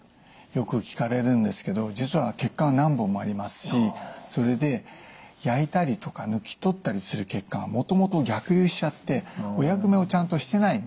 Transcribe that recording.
よく聞かれるんですけど実は血管は何本もありますしそれで焼いたりとか抜き取ったりする血管はもともと逆流しちゃってお役目をちゃんとしてない。